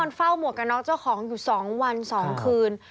หัวหมวกกับน้องเจ้าของอยู่๒วัน๒คืน